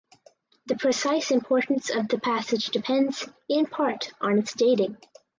The precise importance of the passage depends in part on its dating.